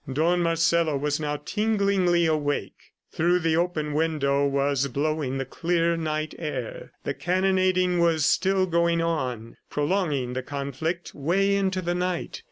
Don Marcelo was now tinglingly awake. Through the open window was blowing the clear night air. The cannonading was still going on, prolonging the conflict way into the night.